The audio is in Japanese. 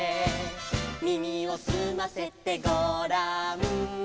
「耳をすませてごらん」